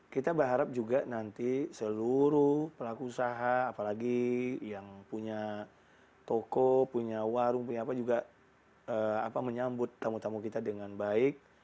kita berharap juga nanti seluruh pelaku usaha apalagi yang punya toko punya warung punya apa juga menyambut tamu tamu kita dengan baik